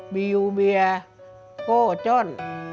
บียูเบลโก้จน